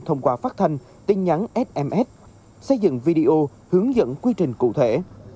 thông qua phát thanh tin nhắn sms xây dựng video hướng dẫn quy trình cụ thể